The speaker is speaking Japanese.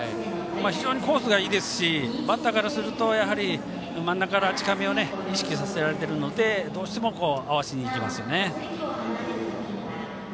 非常にコースがいいですしバッターからすると真ん中近めを意識させられるのでどうしても合わせにいきますよね。